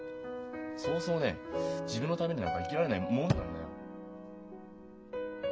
そうそうね自分のためになんか生きられないものなんだよ。